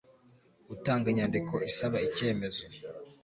Gutanga inyandiko isaba icyemezo